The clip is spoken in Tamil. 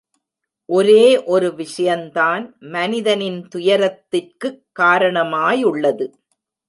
ஒரே ஒரு விஷயந்தான் மனிதனின் துயரத்திற்குக் காரணமாயுள்ளது.